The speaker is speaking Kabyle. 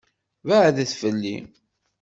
Beɛɛdet fell-i.